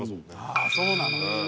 ああそうなの？